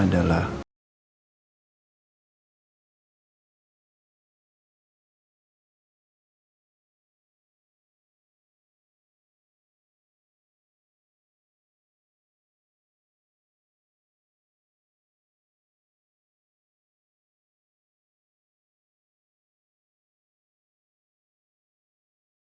tidak tahu apa yang akan terjadi